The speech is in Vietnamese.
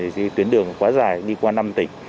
thì tuyến đường quá dài đi qua năm tỉnh